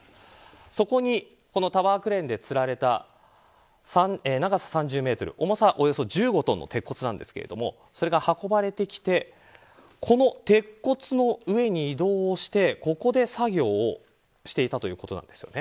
そこにタワークレーンでつられた長さ３０メートル重さおよそ１５トンの鉄骨なんですがそれが運ばれてきてこの鉄骨の上に移動してここで作業をしていたということなんです。